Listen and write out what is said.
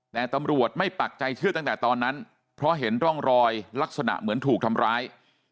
แต่ตำรวจไม่ปักใจเชื่อตั้งแต่ตอนนั้นเพราะเห็นร่องรอยลักษณะเหมือนถูกทำร้าย